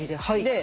はい。